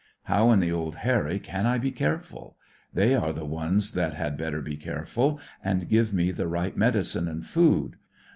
How in the old Harry can I be careful? They are the ones that had better be careful and give me the right medicine and food.